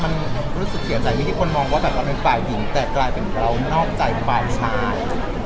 มันรู้สึกเสียใจที่คนมองว่าแบบเราเป็นฝ่ายหญิงแต่กลายเป็นเรานอกใจฝ่ายชาย